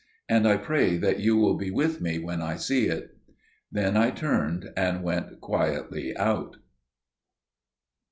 And I pray that you will be with me when I see it." Then I turned and went quietly out.